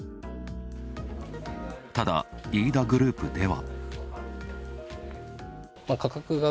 ただ、飯田グループでは。